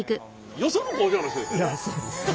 よその工場の人ですよね？